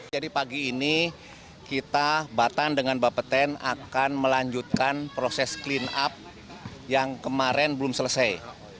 jadi pagi ini kita batan dengan bapeten akan melanjutkan proses clean up yang kemarin belum selesai